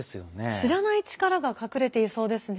知らない力が隠れていそうですね。